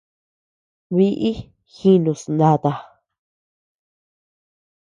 Biʼi jínus nata.